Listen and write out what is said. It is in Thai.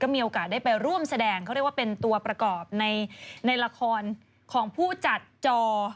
มีโอกาสได้ไปร่วมแสดงเขาเรียกว่าเป็นตัวประกอบในละครของผู้จัดจอ